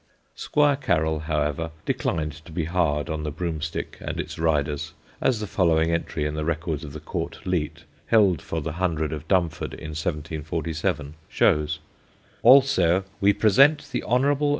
Squire Caryll, however, declined to be hard on the broomstick and its riders, as the following entry in the records of the Court Leet, held for the Hundred of Dumford in 1747, shows: "Also we present the Honble.